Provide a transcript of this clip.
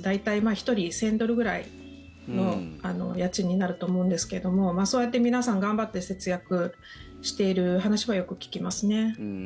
大体、１人１０００ドルぐらいの家賃になると思うんですけれどもそうやって皆さん頑張って節約している話はよく聞きますね。